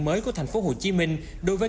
mới của thành phố hồ chí minh đối với